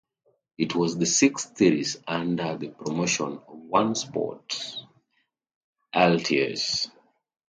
It was the sixth series under the promotion of One Sport Lts.